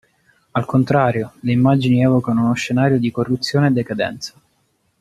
Al contrario, le immagini evocano uno scenario di corruzione e decadenza.